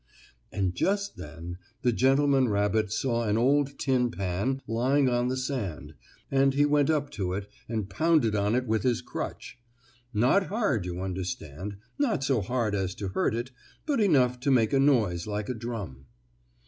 And just then the gentleman rabbit saw an old tin pan lying on the sand, and he went up to it and pounded on it with his crutch. Not hard you understand not so hard as to hurt it, but enough to make a noise like a drum.